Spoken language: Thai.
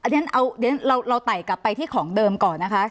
เดี๋ยวเราไต่กลับไปที่ของเดิมก่อนนะคะ